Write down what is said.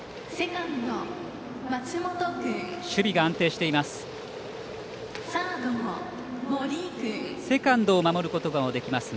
松本、守備が安定しています。